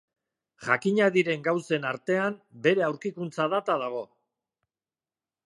Jakinak diren gauzen artean, bere aurkikuntza data dago.